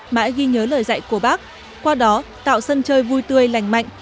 mãi ghi nhớ lời dạy của bác qua đó tạo sân chơi vui tươi lành mạnh